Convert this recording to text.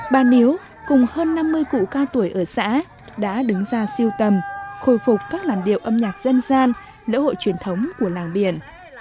bà niếu cùng hơn năm mươi cụ cao tuổi ở xã đã đứng ra siêu tầm khôi phục các làn điệu âm nhạc dân gian lễ hội truyền thống của làng biển